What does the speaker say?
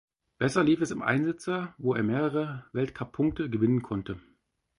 Besser lief es im Einsitzer, wo er mehrere Weltcuppunkte gewinnen konnte.